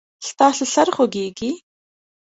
ستاسو سر خوږیږي؟